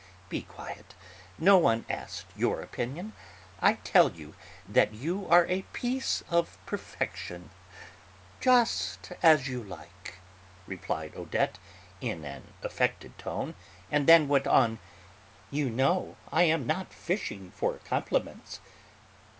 Be quiet; no one asked your opinion. I tell you that you are a piece of perfection." "Just as you like," replied Odette, in an affected tone, and then went on: "You know I'm not fishing for compliments."